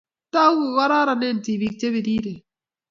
Togu konkororonen tibik che biriren